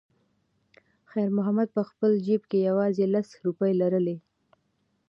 خیر محمد په خپل جېب کې یوازې لس روپۍ لرلې.